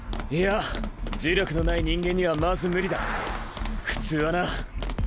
いや呪力のない人間にはまず無理だ普通はな。